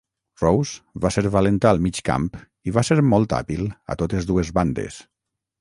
Rose va ser valenta al mig camp i va ser molt hàbil a totes dues bandes.